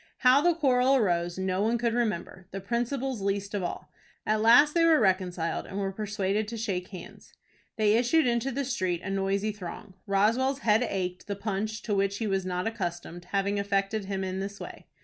How the quarrel arose no one could remember, the principals least of all. At last they were reconciled, and were persuaded to shake hands. They issued into the street, a noisy throng. Roswell's head ached, the punch, to which he was not accustomed, having affected him in this way.